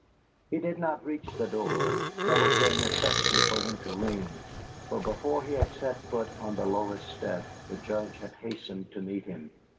He did not reach the door, nor was there necessity for him to ring, for, before he had set foot on the lowest step, the Judge had hastened to meet him.